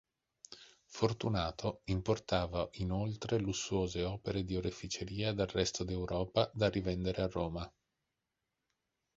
Fortunato importava inoltre lussuose opere di oreficeria dal resto d'Europa da rivendere a Roma.